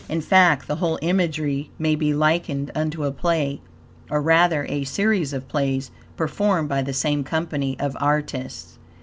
In fact, the whole imagery may be likened unto a play, or, rather, a series of plays, performed by the same company of artists.